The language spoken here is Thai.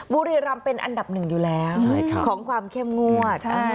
บุรีรำเป็นอันดับหนึ่งอยู่แล้วของความเข้มงวด